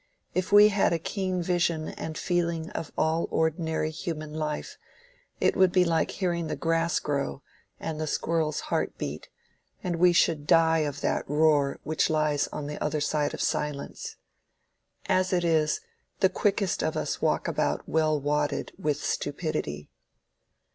If we had a keen vision and feeling of all ordinary human life, it would be like hearing the grass grow and the squirrel's heart beat, and we should die of that roar which lies on the other side of silence. As it is, the quickest of us walk about well wadded with stupidity.